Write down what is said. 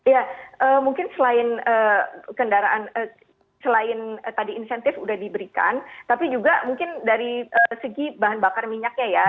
ya mungkin selain kendaraan selain tadi insentif sudah diberikan tapi juga mungkin dari segi bahan bakar minyaknya ya